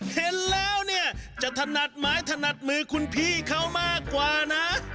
เห็นแล้วเนี่ยจะถนัดไม้ถนัดมือคุณพี่เขามากกว่านะ